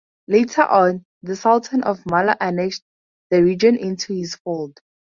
Later on, the Sultan of Malwa annexed the region into his fold.